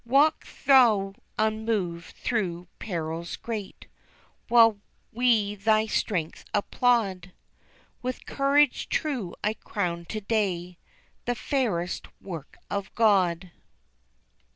"Walk thou unmoved through perils great, While we thy strength applaud, With Courage true I crown to day The fairest work of God."